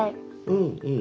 うんうん。